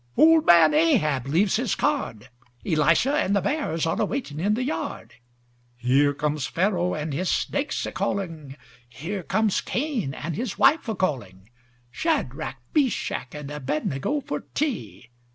"Old man Ahab leaves his card. Elisha and the bears are a waiting in the yard. Here comes Pharo and his snakes a calling. Here comes Cain and his wife a calling—Shadrach, Meshach and Abednego for tea.